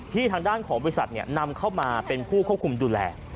ที่ทางด้านของวิสัตว์เนี่ยนำเข้ามาเป็นผู้ควบคุมดูแล